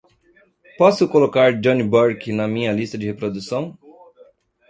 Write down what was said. Posso colocar johnny burke na minha lista de reprodução?